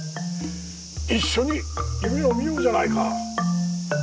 一緒に夢を見ようじゃないか。